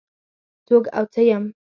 څوک او څه يم؟